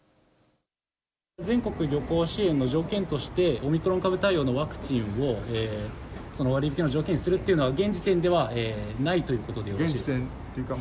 全国旅行支援の条件として、オミクロン株対応のワクチンをその割引の条件にするっていうのは、現時点ではないということでよろしいですか。